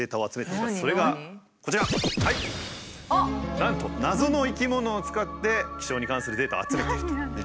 なんと謎の生き物を使って気象に関するデータを集めていると。